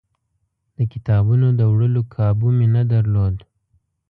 د کتابونو د وړلو کابو مې نه درلود.